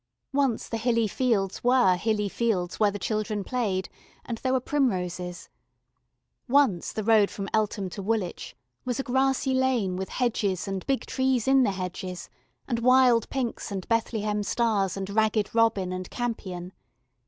Once the Hilly Fields were hilly fields where the children played, and there were primroses. Once the road from Eltham to Woolwich was a grassy lane with hedges and big trees in the hedges, and wild pinks and Bethlehem stars, and ragged robin and campion.